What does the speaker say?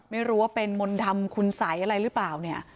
ไม่รู้ว่าเป็นมนต์ดำคุณสัยอะไรหรือเปล่าเนี่ย